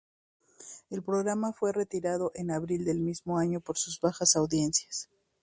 El programa fue retirado en abril del mismo año por sus bajas audiencias.